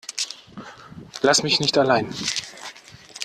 Lass mich nicht allein.